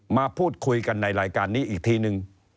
มาพูดคุยกันในรายการนี้อีกทีนึง